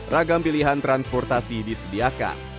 ragam pilihan transportasi disediakan